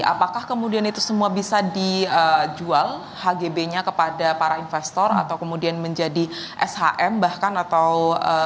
apakah kemudian itu semua bisa dijual hgb nya kepada para investor atau kemudian menjadi shm bahkan atau